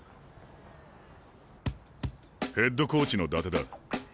ヘッドコーチの伊達だ。